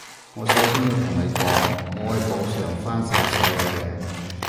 我首先要同你講，我會補償返晒所有嘢